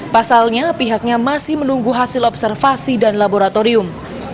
pasalnya pihaknya masih menunggu hasil observasi dan laboratorium